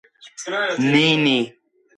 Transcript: ნინი